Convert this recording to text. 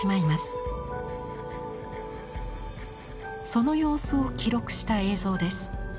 その様子を記録した映像です。